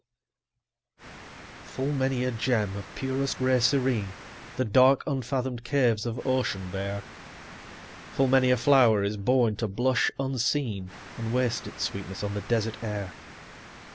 Full many a gem of purest ray serene The dark unfathom'd caves of ocean bear; Full many a flower is born to blush unseen, 55 And waste its sweetness on the desert air.